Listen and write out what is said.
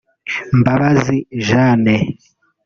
Mbabazi Jane